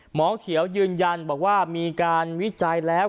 หมอเขียวยืนยันบอกว่ามีการวิจัยแล้ว